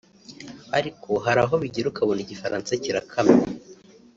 ariko hari aho bigera ukabona igifaransa kirakamye